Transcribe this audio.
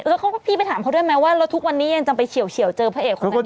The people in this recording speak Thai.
แล้วก็พี่ไปถามเขาด้วยไหมว่าเราทุกวันนี้ยังจำไปเฉียวเฉียวเจอพระเอกคนนั้นอยู่ไหน